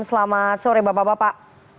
selamat sore bapak bapak